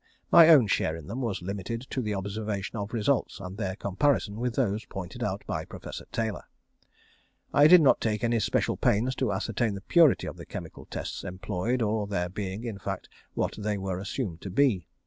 My own share in them was limited to the observation of results, and their comparison with those pointed out by Professor Taylor. I did not take any special pains to ascertain the purity of the chemical tests employed or of their being in fact what they were assumed to be.